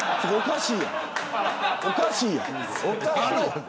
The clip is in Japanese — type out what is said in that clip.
おかしいやん、それ。